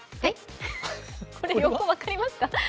これ、分かりますか？